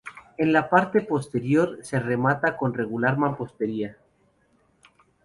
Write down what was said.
En la parte posterior se remata con regular mampostería.